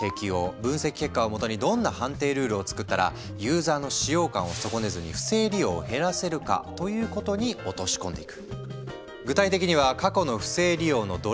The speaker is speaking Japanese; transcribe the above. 分析結果をもとにどんな判定ルールを作ったらユーザーの使用感を損ねずに不正利用を減らせるかということに落とし込んでいく。